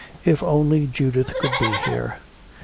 If only Judith could be here.